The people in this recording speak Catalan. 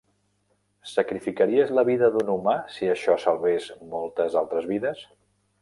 Sacrificaries la vida d'un humà si això salvés moltes altres vides?